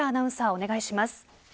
お願いします。